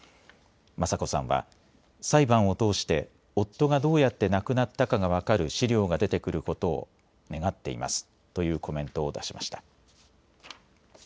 雅子さんは、裁判を通して、夫がどうやって亡くなったかが分かる資料が出てくることを願っていますというコメントを出しました。